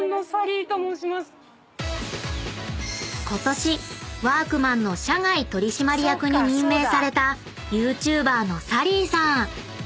［ことしワークマンの社外取締役に任命されたＹｏｕＴｕｂｅｒのサリーさん］